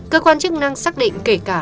cơ quan chức năng xác định kể cả